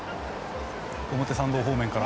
表参道方面から。